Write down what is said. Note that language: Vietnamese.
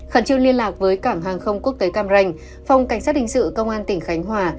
khẩn trương liên lạc với cảng hàng không quốc tế cam ranh phòng cảnh sát hình sự công an tỉnh khánh hòa